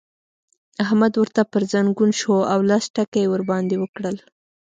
احمد ورته پر ځنګون شو او لس ټکه يې ور باندې وکړل.